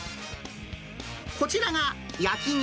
こちらが焼肉